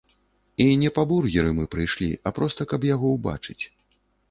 І не па бургеры мы прыйшлі, а проста, каб яго ўбачыць.